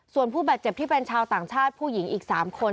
ส่วนผู้บาดเจ็บที่เป็นชาวต่างชาติผู้หญิงอีก๓คน